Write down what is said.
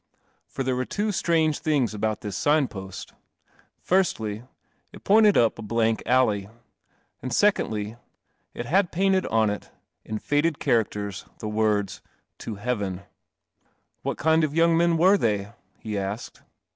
For there were two strange things about this sign post: firstly, it pointed up a blank alley, and, secondly, it had painted on it, in faded characters, the words, " To Heaven." " What kind of young men were they ?" he asked.